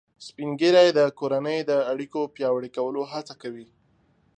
سپین ږیری د کورنۍ د اړیکو پیاوړي کولو هڅه کوي